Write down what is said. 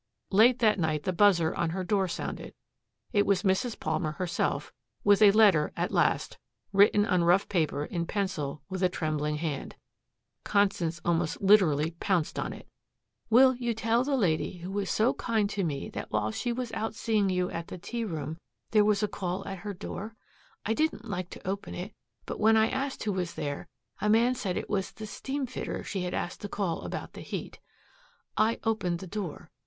Late that night the buzzer on her door sounded. It was Mrs. Palmer herself, with a letter at last, written on rough paper in pencil with a trembling hand. Constance almost literally pounced on it. "Will you tell the lady who was so kind to me that while she was out seeing you at the tea room, there was a call at her door? I didn't like to open it, but when I asked who was there, a man said it was the steam fitter she had asked to call about the heat. "I opened the door.